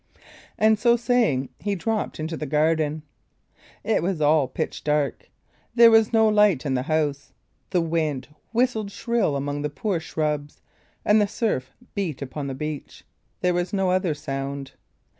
And so saying he dropped into the garden. It was all pitch dark; there was no light in the house. The wind whistled shrill among the poor shrubs, and the surf beat upon the beach; there was no other sound.